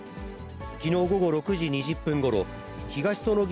きのう午後６時２０分ごろ、東そのぎ